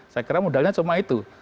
saya kira modalnya cuma itu